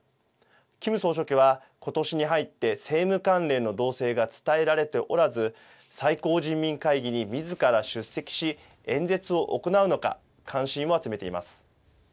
キム総書記は今年に入って政務関連の動静が伝えられておらず最高人民会議にみずから出席し演説を行うのか関心を集めています。